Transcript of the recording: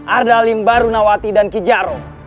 ardalim barunawati dan kijaro